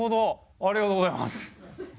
ありがとうございます。